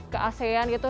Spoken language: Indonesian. ke asean gitu